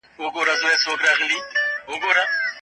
الله تعالی ميړونه پر معروف معاشرت امر کړي دي.